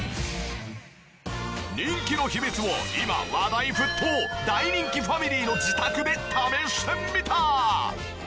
人気の秘密を今話題沸騰大人気ファミリーの自宅で試してみた！